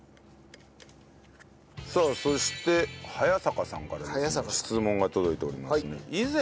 さあそして早坂さんから質問が届いておりますね。